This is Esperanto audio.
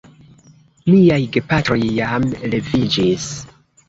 Miaj gepatroj jam leviĝis.